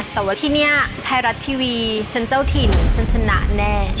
แต่ว่าที่นี่ไทยรัฐทีวีฉันเจ้าถิ่นฉันชนะแน่